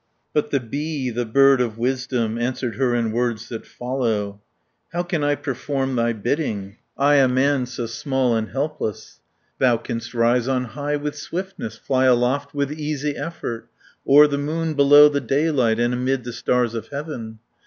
But the bee, the bird of wisdom. Answered her in words that follow: 490 "How can I perform thy bidding, I a man so small and helpless?" "Thou canst rise on high with swiftness, Fly aloft with easy effort, O'er the moon, below the daylight And amid the stars of heaven.